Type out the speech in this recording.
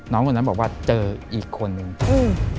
น้องคนนั้นบอกว่าเจออีกคนหนึ่ง